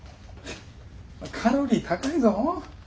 カロリー高いぞ。